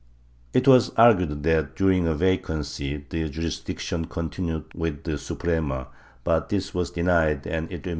It was argued that during a vacancy the jurisdiction continued with the Suprema, but this was denied and it remaineci an open question.